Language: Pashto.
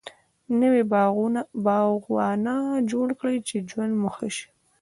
نوي باغوانه جوړ کړي چی ژوند مو ښه سي